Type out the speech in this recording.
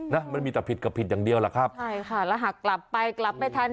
นะมันมีแต่ผิดกับผิดอย่างเดียวแหละครับใช่ค่ะแล้วหากกลับไปกลับไม่ทัน